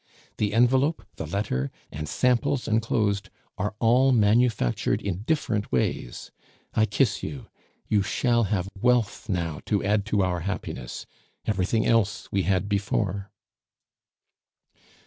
The envelope, the letter, and samples enclosed are all manufactured in different ways. I kiss you; you shall have wealth now to add to our happiness, everything else we had before."